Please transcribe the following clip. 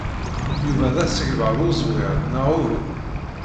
Yuba d asegbar uẓwir, neɣ uhu?